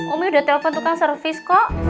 umi udah telpon tukang servis kok